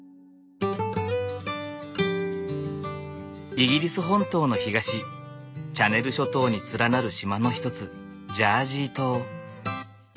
イギリス本島の東チャネル諸島に連なる島の一つジャージー島。